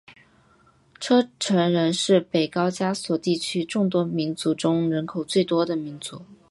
车臣人是北高加索地区众多民族中人口最多的民族。